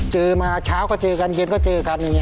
เจอมาเช้าก็เจอกันเย็นก็เจอกันอย่างนี้